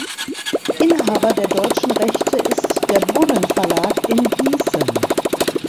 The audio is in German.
Inhaber der deutschen Rechte ist der Brunnen Verlag in Gießen.